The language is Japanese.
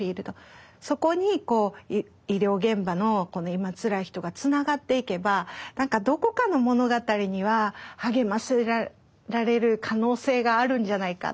そこに医療現場の今つらい人がつながっていけばどこかの物語には励ませられる可能性があるんじゃないかっていうふうに思って。